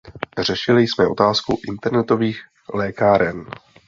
Řešili jsme otázku internetových lékáren.